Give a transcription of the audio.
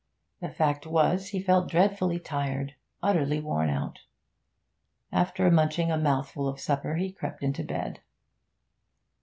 The fact was, he felt dreadfully tired, utterly worn out. After munching a mouthful of supper he crept into bed.